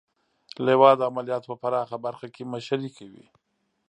لوا د عملیاتو په پراخه برخه کې مشري کوي.